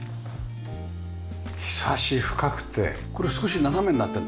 ひさし深くてこれ少し斜めになってるんだ。